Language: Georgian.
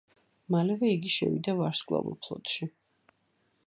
მალევე იგი შევიდა ვარსკვლავურ ფლოტში.